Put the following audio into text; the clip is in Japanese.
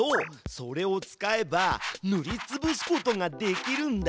それを使えばぬりつぶすことができるんだ。